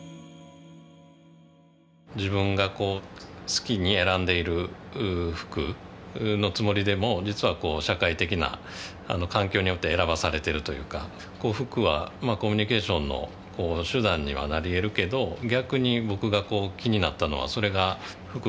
自分がこう好きに選んでいる服のつもりでも実は社会的な環境によって選ばされてるというか服はコミュニケーションの手段にはなりえるけど逆に僕が気になったのはそれが服がこう